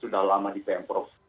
sudah lama di pemprov